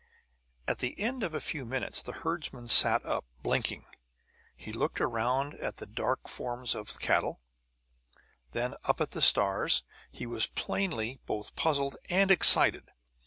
At the end of a few minutes the herdsman sat up, blinking. He looked around at the dark forms of the cattle, then up at the stars; he was plainly both puzzled and excited.